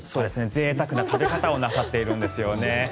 ぜいたくな食べ方をなさってるんですよね。